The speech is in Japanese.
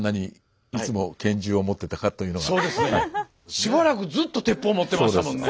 しばらくずっと鉄砲持ってましたもんね。